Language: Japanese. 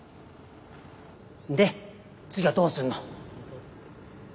んで次はどうすんの？